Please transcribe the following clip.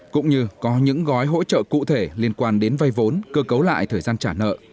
cũng như có những gói hỗ trợ cụ thể liên quan đến vay vốn cơ cấu lại thời gian trả nợ